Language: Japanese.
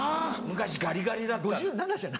昔ガリガリだった。